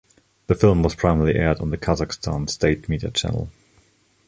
The film was primarily aired on the Qazaqstan state media channel.